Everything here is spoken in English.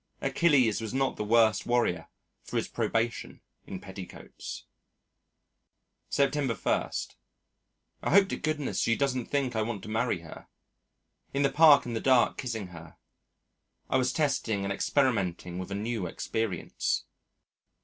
"Achilles was not the worse warrior for his probation in petticoats." September 1. I hope to goodness she doesn't think I want to marry her. In the Park in the dark, kissing her. I was testing and experimenting with a new experience.